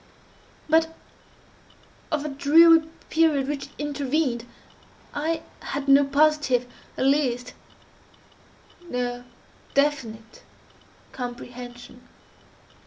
But of that dreary period which intervened I had no positive, at least no definite comprehension.